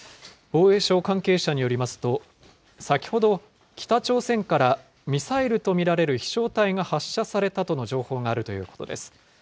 防衛省関係者によりますと、先ほど、北朝鮮からミサイルと見られる飛しょう体が発射されたとの情報があるということです。